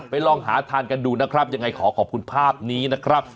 ลองหาทานกันดูนะครับยังไงขอขอบคุณภาพนี้นะครับ